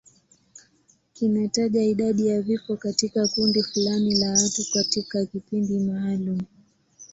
Kinataja idadi ya vifo katika kundi fulani la watu katika kipindi maalum.